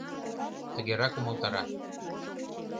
Тыгерак умылтара: